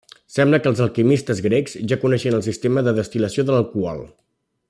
Sembla que els alquimistes grecs ja coneixien el sistema de destil·lació d'alcohol.